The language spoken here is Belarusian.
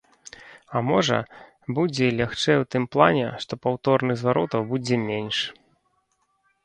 А можа, будзе і лягчэй у тым плане, што паўторных зваротаў будзе менш.